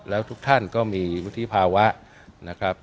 แล้วทุกท่านก็มีวุฒิภาวะนะครับ